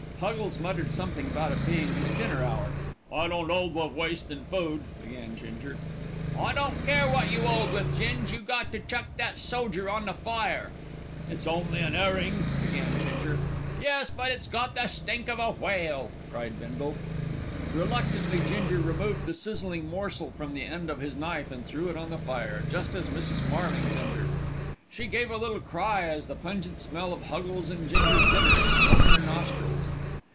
Huggles muttered something about it being his dinner hour. "I don't 'old wiv wastin' food," began Ginger. "I don't care wot you 'old with, Ging, you got to chuck that sojer on the fire." "It's only an 'erring," began Ginger. "Yes; but it's got the stink of a whale," cried Bindle. Reluctantly Ginger removed the sizzling morsel from the end of his knife and threw it on the fire, just as Mrs. Marlings entered. She gave a little cry as the pungent smell of Huggles' and Ginger's dinners smote her nostrils.